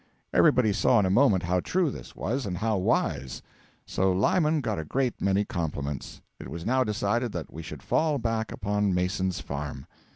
Everybody saw in a moment how true this was, and how wise; so Lyman got a great many compliments. It was now decided that we should fall back upon Mason's farm.